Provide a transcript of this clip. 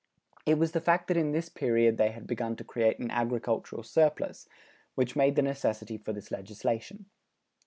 It was the fact that in this period they had begun to create an agricultural surplus, which made the necessity for this legislation.